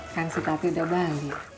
kan si pati udah balik